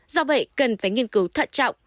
do vậy cần phải nghiên cứu thận trọng